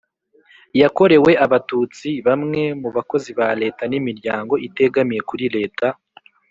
yakorewe Abatutsi bamwe mu bakozi ba Leta n imiryango itegamiye kuri leta